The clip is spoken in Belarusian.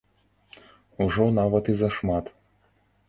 Ужо нават і зашмат.